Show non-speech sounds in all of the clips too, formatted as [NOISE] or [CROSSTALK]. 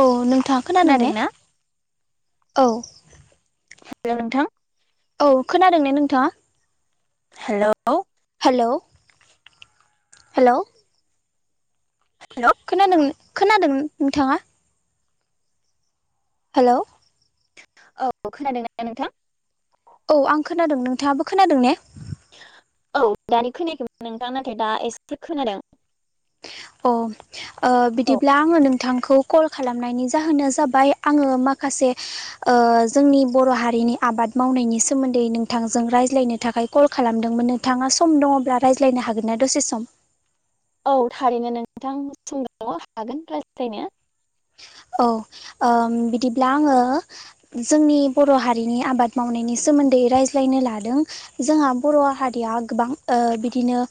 औ नोंथाङा खोना? नों ने खोनादोंना औ नोंथां औ खोनादों ने नोंथाङा? हेल' हेल' हेल' खोनादों खोनादों नोंथाङा? हेल' औ खोनादों ना नोंथां? औ आं खोनादों नोंथाङाबो खोनादों ने? औ दानि खोनायाखैमोन नोंथां नाथाय दा एसे खोनादों। अ औ बिदिब्ला आङो नों बिथांखौ कल खालामनायनि जाहोना जाबाय आङो माखासे जोंनि बर' हारि नि आबाद मावनायनि सोमोन्दै नोंथांजों रायज्लायनो थाखाय कल खालामदोंमोन नोंथाङा सम दङब्ला रायज्लाय सलायनो हागोन ना दसे सम औ थारैनो नोंथां दसे हागोन रायलायनो [INAUDIBLE] औ ओ बिदिब्ला आङो जोंनि बर' हारिनि आबाद मावनायनि सोमोन्दै रायज्लायनो लादों जोंहा बर' हारिया गोबां ओ बिदिनो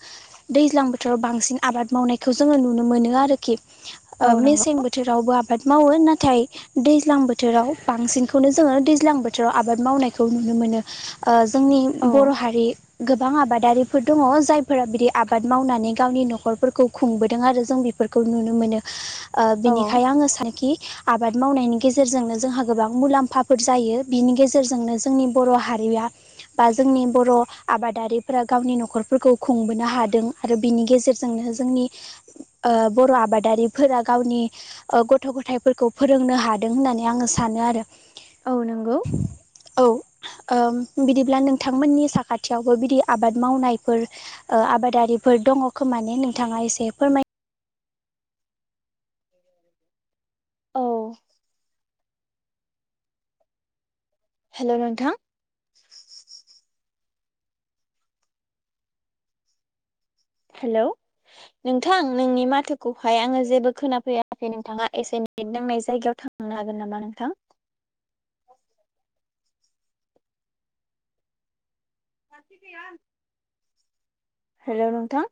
दैज्लां बोथोर फोथोराव बांसिन आबाद मावनायखौ जोङो नुनो मोनो आरोखि औ नंगौ मेसें बोथोरावबो आबाद मावो नाथाय दैज्लां बोथोराव बांसिनखौनो जोङो दैज्लां बोथोराव आबाद मावनायखौ नुनो मोनो ओ जोंनि औ बर' हारि गोबां आबादारिफोर दङ जायफोरा बिदि आबाद मावनानै गावनि न'खरफोरखौ खुंबोदों आरो जों फोरखौ नुनो मोनो ओ औ बिनिखायनो आङो सानोखि आबाद मावनायनि गेजेरजोंनो जोंहा गोबां मुलाम्फाफोर जायो बिनि गेजेरजोंनो जोंनि बर' हारिया बा जोंनि बर' आबादारिफोरा गावनि न'खरफोरखौ खुंबोनो हादों आरो बिनि गेजेरजोंनो जोंनि ओ बर' आबादारिफोरा गावनि गथ' गथायफोरखौ फोरोंनो हादों होननानै आङो सानो आरो औ नंगौ औ ओ बिदिब्ला नोंथांमोननि साखाथियावबो बिदि आबाद मावनायफोर आबादारि, बेफोर दङ खोमाने नोंथाङा एसे फोरमाय, [INAUDIBLE] औ हेलौ नोंथां। हेलौ नोंथां नोंनि माथोखौहाय आङो जेबो खोनाफैयाखै नोंथाङा एसे नेट नांनाय जायगायाव थांनो हागोन नामा? नोंथां। [INAUDIBLE] हेलौ नोंथां।